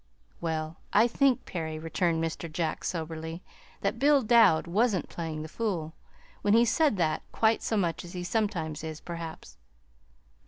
"Well, I think, Perry," returned Mr. Jack soberly, "that Bill Dowd wasn't playing the fool, when he said that, quite so much as he sometimes is, perhaps."